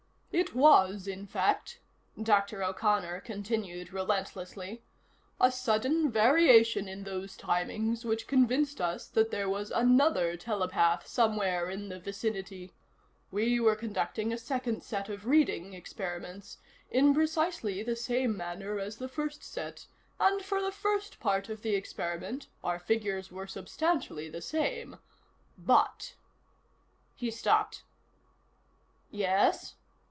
"It was, in fact," Dr. O'Connor continued relentlessly, "a sudden variation in those timings which convinced us that there was another telepath somewhere in the vicinity. We were conducting a second set of reading experiments, in precisely the same manner as the first set, and, for the first part of the experiment, our figures were substantially the same. But " He stopped. "Yes?"